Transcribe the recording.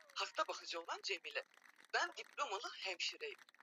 Na mwaka uliofuata elfu moja mia tisa sitini na saBa